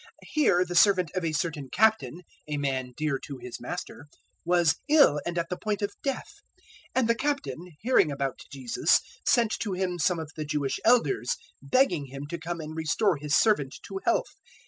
007:002 Here the servant of a certain Captain, a man dear to his master, was ill and at the point of death; 007:003 and the Captain, hearing about Jesus, sent to Him some of the Jewish Elders, begging Him to come and restore his servant to health.